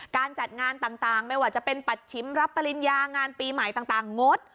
การจัดงานต่างไม่ว่าจะเป็นปัชชิมรับปริญญางานปีใหม่ต่างงด